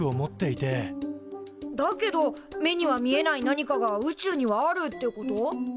だけど目には見えない何かが宇宙にはあるってこと？